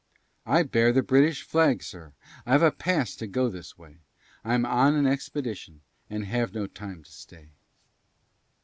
"I bear the British flag, sir; I've a pass to go this way, I'm on an expedition, And have no time to stay."